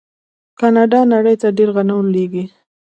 کاناډا نړۍ ته ډیر غنم لیږي.